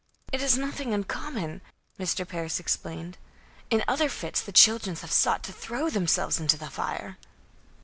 "It is nothing uncommon," Mr. Parris explained. "In other fits, the children have sought to throw themselves into the fire."